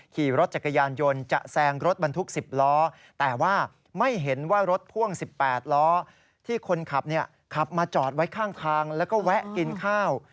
ขี่รถจักรยานยนต์จะแซงรถบรรทุก๑๐ล้อแต่ว่าไม่เห็นว่ารถพ่วง๑๘ล้อที่คนขับขับมาจอดไว้ข้างทางแล้วก็แวะกินข้าว